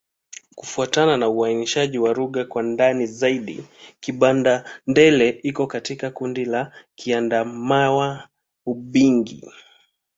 Kufuatana na uainishaji wa lugha kwa ndani zaidi, Kibanda-Ndele iko katika kundi la Kiadamawa-Ubangi.